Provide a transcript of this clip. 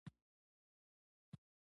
ناوړه قضاوتونه ځواکمن شول.